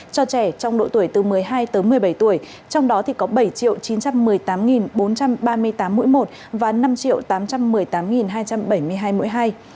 cho trẻ trong độ tuổi từ một mươi hai tới một mươi bảy tuổi trong đó thì có bảy chín trăm một mươi tám bốn trăm ba mươi tám mũi một và năm tám trăm một mươi tám hai trăm bảy mươi hai mũi hai